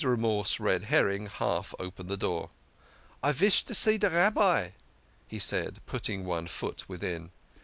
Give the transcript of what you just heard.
Remorse Red herring half opened the door. " I vish to see de Rabbi," he said, putting one foot within.